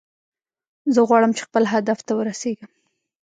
زه غواړم چې خپل هدف ته ورسیږم